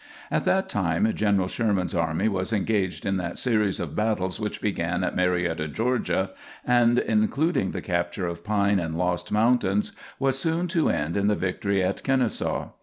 At that time General Sherman's army was engaged in that series of battles which began at Marietta, Georgia, and, including the capture of Pine and Lost Mountains, was soon to end in the victory at Kenesaw.